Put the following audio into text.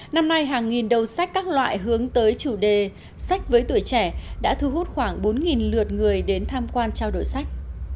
năm nay hàng nghìn đầu sách các loại hướng tới chủ đề sách với tuổi trẻ đã thu hút khoảng bốn lượt người đến tham quan trao đổi sách